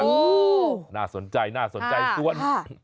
โอ้โหน่าสนใจน่าสนใจส่วน